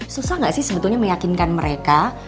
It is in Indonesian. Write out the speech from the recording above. susah nggak sih sebetulnya meyakinkan mereka